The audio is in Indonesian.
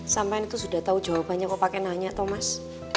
sama ini tuh sudah tahu jawabannya kok pakai nanya tomas